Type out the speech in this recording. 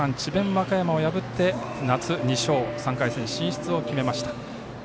和歌山を破って夏２勝、３回戦進出を決めました。